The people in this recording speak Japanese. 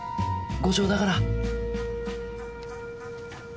後生だから。